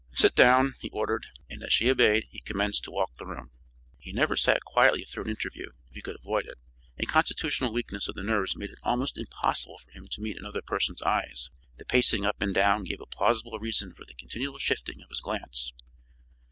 "Sit down," he ordered, and as she obeyed he commenced to walk the room. He never sat quietly through an interview if he could avoid it; a constitutional weakness of the nerves made it almost impossible for him to meet another person's eyes. The pacing up and down gave a plausible reason for the continual shifting of his glance.